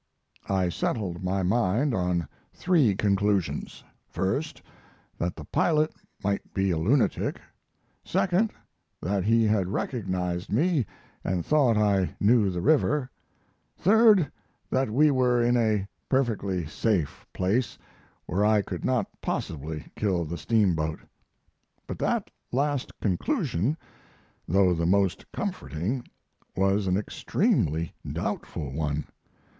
I settled my mind on three conclusions: first, that the pilot might be a lunatic; second, that he had recognized me and thought I knew the river; third, that we were in a perfectly safe place, where I could not possibly kill the steamboat. But that last conclusion, though the most comforting, was an extremely doubtful one.